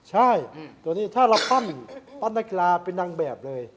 ใช่ตัวนี้ถ้าเราปั้นนักกีฬาเป็นนางแบบเลย